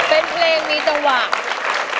ทั้งในเรื่องของการทำงานเคยทำนานแล้วเกิดปัญหาน้อย